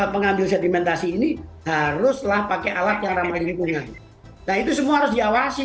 pengambil sedimentasi ini haruslah pakai alat yang ramah lingkungan nah itu semua harus diawasi